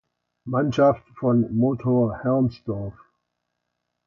Mannschaft von Motor Hermsdorf.